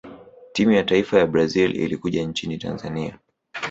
timu ya taifa ya brazil ilikuja nchini tanzania